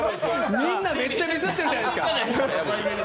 みんなめっちゃディスってるじゃないですか。